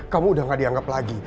kamu udah gak dianggap lagi